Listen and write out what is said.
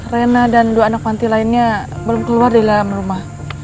rena dan dua anak panti lainnya belum keluar di dalam rumah